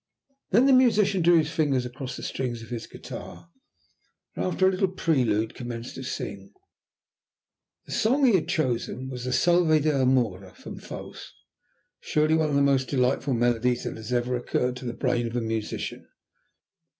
Then the musician drew his fingers across the strings of his guitar, and after a little prelude commenced to sing. The song he had chosen was the Salve d'amora from Faust, surely one of the most delightful melodies that has ever occurred to the brain of a musician.